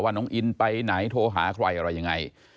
น้องอินไปไหนโทรหาใครอะไรยังไง